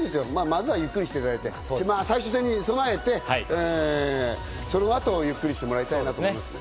まずはゆっくりしていただいて、最終戦に備えて、その後、ゆっくりしてもらいたいです。